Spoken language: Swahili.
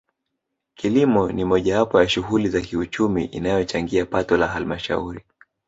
Kilimo ni mojawapo ya shughuli za kiuchumi inayochangia pato la Halmashauri